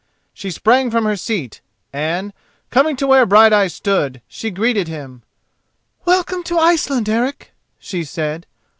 She sprang from her seat, and, coming to where Brighteyes stood, she greeted him. "Welcome to Iceland, Eric!" she said.